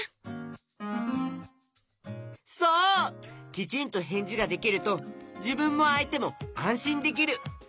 きちんとへんじができるとじぶんもあいてもあんしんできる。